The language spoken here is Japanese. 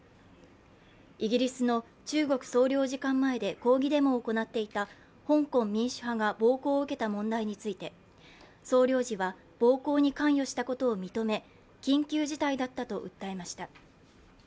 イギリスの中国総領事館前で抗議デモを行っていた香港民主派が暴行を受けた問題について、総領事は暴行に関与したことを認め緊急事態だったと訴えました。